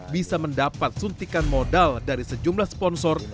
bisa mendapat suntikan modal dari sejumlah sponsor